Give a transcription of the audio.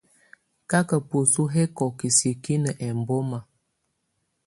Káká bǝ́su hɛ́kɔ́kɛ́ siǝ́kinǝ́ ɛmbɔ́ma.